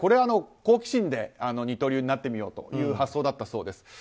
好奇心で二刀流になってみようという発想だったようです。